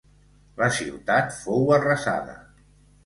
La ciutat fou arrasada.